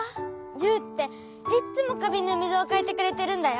ユウっていっつもかびんのみずをかえてくれてるんだよ。